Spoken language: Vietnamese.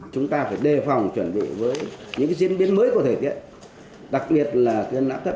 chúng ta phải đề phòng chuẩn bị với những diễn biến mới có thể tiện đặc biệt là tên lãng thấp